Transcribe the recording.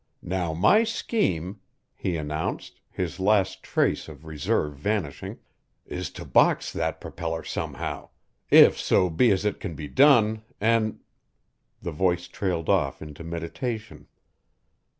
Now my scheme," he announced, his last trace of reserve vanishing, "is to box that propeller somehow if so be as it can be done an' ," the voice trailed off into meditation.